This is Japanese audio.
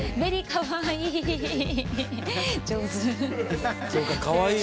上手。